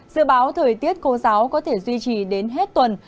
dự báo thời tiết khô giáo có thể duy trì đến hết tuần